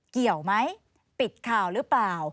เกี่ยวไหมปิดข่าวหรือเปล่า